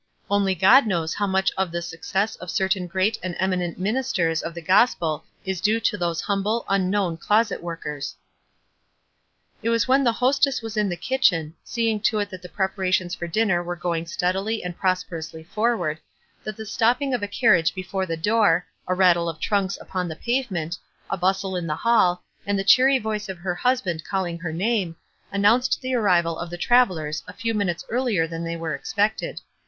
Only God knows how much of the success of certain great and eminent minis ters of the gospel is due to those humble, un known closet workers. It was when the hostess was in the kitchen, seeing to it that the preparations for dinner were going steadily and prosperously forward, that the stopping of a carriage before the door, a rattle of trunks upon the pavement, a bustle in the hall, and the cheery voice of her husband calling her name, announced the arrival of the travelers a few minutes earlier than they were expected.